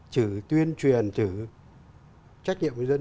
chỉ tuyên truyền chỉ trách nhiệm cho dân